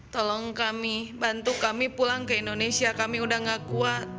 tolong kami bantu kami pulang ke indonesia kami udah gak kuat